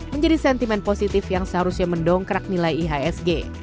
menjadi sentimen positif yang seharusnya mendongkrak nilai ihsg